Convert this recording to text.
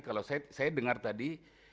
kalau saya dengar tadi